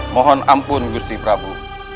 mohon ampun busi prabu